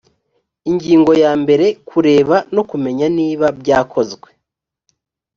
ingingo ya mbere kureba no kumenya niba byakozwe